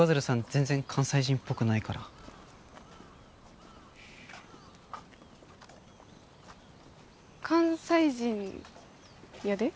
全然関西人っぽくないから関西人やで？